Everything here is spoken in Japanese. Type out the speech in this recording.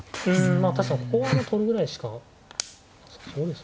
まあ確かにここは取るぐらいしかなさそうですよね。